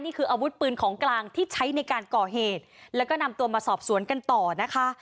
นี่คืออาวุธปืนของกลางที่ใช้ในการก่อเหตุแล้วก็นำตัวมาสอบสวนกันต่อนะคะ